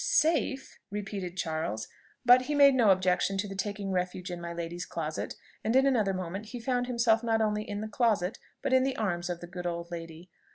"Safe?" repeated Charles; but he made no objection to the taking refuge in my lady's closet, and in another moment he found himself not only in the closet, but in the arms of the good old lady.